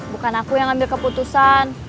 bukan aku yang ambil keputusan